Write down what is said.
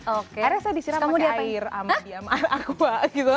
akhirnya saya disiram pakai air sama dia sama air aqua gitu